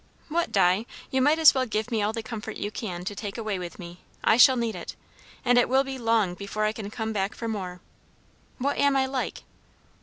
"What, Di? You might as well give me all the comfort you can to take away with me. I shall need it. And it will be long before I can come back for more. What am I like?"